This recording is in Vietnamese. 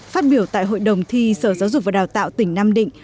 phát biểu tại hội đồng thi sở giáo dục và đào tạo tỉnh nam định